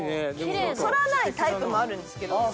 反らないタイプもあるんですけど。